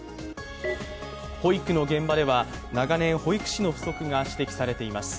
保育の現場では長年、保育士の不足が指摘されています。